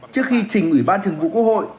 trước khi trình ủy ban thường vụ quốc hội